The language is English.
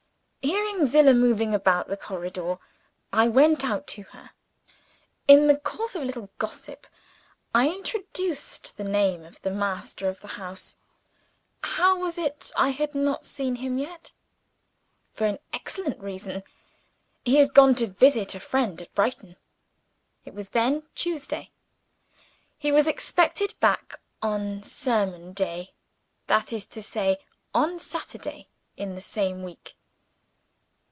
Hearing Zillah moving about the corridor, I went out to her. In the course of a little gossip, I introduced the name of the master of the house. How was it I had not seen him yet? For an excellent reason. He had gone to visit a friend at Brighton. It was then Tuesday. He was expected back on "sermon day" that is to say on Saturday in the same week.